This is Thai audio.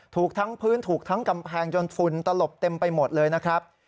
ถูกทั้งพื้นถูกทั้งกำแพงจนฝุ่นตลบเต็มไปหมดเลยนะครับ